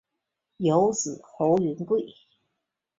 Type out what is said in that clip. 有子侯云桂。